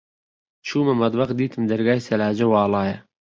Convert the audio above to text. چوومە مەتبەخ، دیتم دەرگای سەلاجە واڵایە.